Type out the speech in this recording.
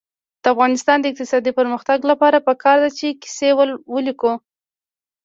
د افغانستان د اقتصادي پرمختګ لپاره پکار ده چې کیسې ولیکو.